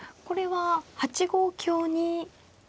これは８五香に。